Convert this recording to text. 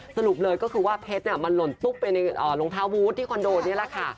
สรุปเลยก็คือว่าเพชรมันหล่นตุ๊บไปในรองเท้าบูธที่คอนโดนี่แหละค่ะ